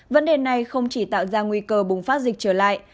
vấn đề này không chỉ tạo ra nguy cơ bùng phát dịch trở lại